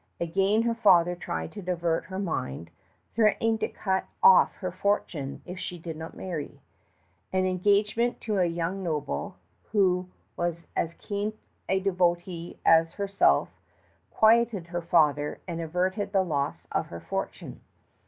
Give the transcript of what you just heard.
Again her father tried to divert her mind, threatening to cut off her fortune if she did not marry. An engagement to a young noble, who was as keen a devotee as herself, quieted her father and averted the loss of her fortune.